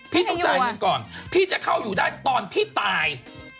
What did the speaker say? พี่ต้องจ่ายเงินก่อนพี่จะเข้าอยู่ได้ตอนพี่ตาย